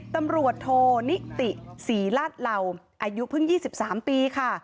ตำรวจโทนิติศรีลาดเหล่าอายุเพิ่ง๒๓ปีค่ะ